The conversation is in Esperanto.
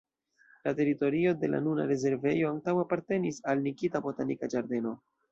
La teritorio de la nuna rezervejo antaŭe apartenis al Nikita botanika ĝardeno.